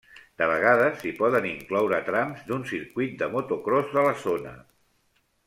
De vegades, s'hi poden incloure trams d'un circuit de motocròs de la zona.